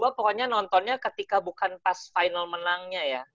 pokoknya nontonnya ketika bukan pas final menangnya ya